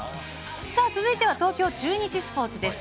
続いては東京中日スポーツです。